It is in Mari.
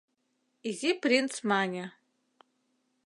Изи принц мане: